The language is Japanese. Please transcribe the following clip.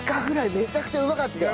めちゃくちゃうまかったよ。